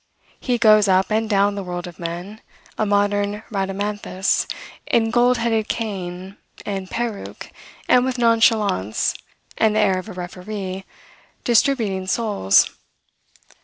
He goes up and down the world of men, a modern Rhadamanthus in gold headed cane and peruke, and with nonchalance, and the air of a referee, distributing souls.